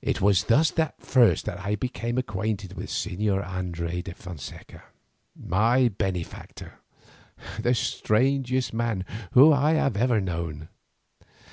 It was thus that first I became acquainted with Señor Andres de Fonseca, my benefactor, the strangest man whom I have ever known.